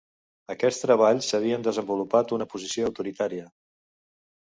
Aquests treballs havien desenvolupat una posició autoritària.